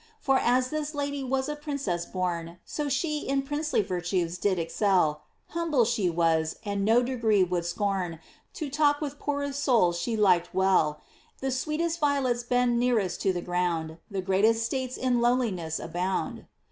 Fur as this lady was a princess bom, So plie in princely virtues did excel ; Humble she was, and no de^ee woul<i scorn, To talk with poorest souls she liked well ; The sweetest violets bend nearest to the ground, The greatest states in lowliness abound.